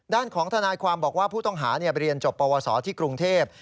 ด้านของทนายความบอกว่าผู้ต้องหาเรียนจบปวสอที่กรุงเทพ